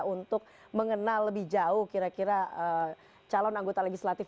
untuk mengenal lebih jauh kira kira calon anggota legislatif